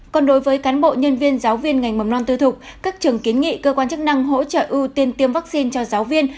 còn đối với cán bộ nhân viên giáo viên ngành mầm non tư thục các trường kiến nghị cơ quan chức năng hỗ trợ ưu tiên tiêm vaccine cho giáo viên